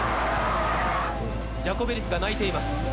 ジャコベリスが泣いています。